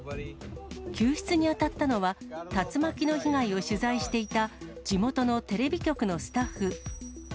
救出に当たったのは、竜巻の被害を取材していた地元のテレビ局のスタッフ。